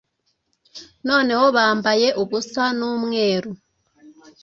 Noneho bambaye ubusa n'umweru,